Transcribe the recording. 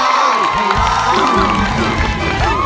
ร้องได้ให้ร้าง